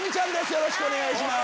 よろしくお願いします。